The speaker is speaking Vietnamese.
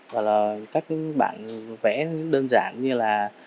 và các bạn vẽ đơn giản như là